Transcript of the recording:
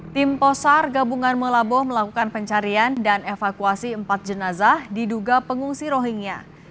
tim posar gabungan melaboh melakukan pencarian dan evakuasi empat jenazah diduga pengungsi rohingya